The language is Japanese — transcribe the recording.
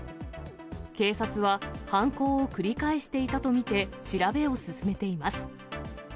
警察は犯行を繰り返していたと見て、調べを進めています。